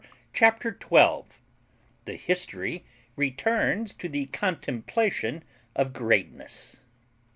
CHAPTER TWELVE THE HISTORY RETURNS TO THE CONTEMPLATION OF GREATNESS.